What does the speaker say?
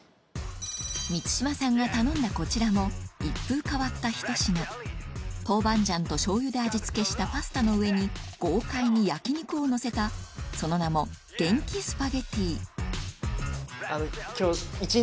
満島さんが頼んだこちらも一風変わったひと品豆板醤としょうゆで味付けしたパスタの上に豪快に焼き肉をのせたその名も元気スパゲティ